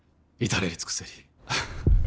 至れり尽くせり